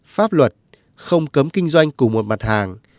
pháp luật không cấm kinh doanh của một mặt hàng